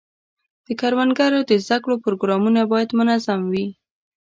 د کروندګرو د زده کړو پروګرامونه باید منظم وي.